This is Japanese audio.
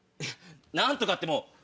何とかって。